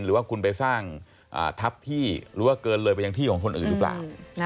หรือว่าคุณไปสร้างทัพที่หรือว่าเกินเลยไปยังที่ของคนอื่นหรือเปล่า